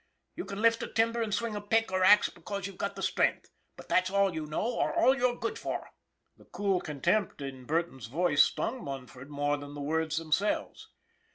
You can lift a timber and swing a pick or axe because you've got the strength. But that's all you know, or all you're good for !" The cool contempt in Burton's voice stung Mun ford more than the words themselves.